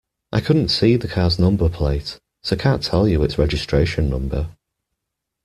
I couldn't see the car's number plate, so can't tell you its registration number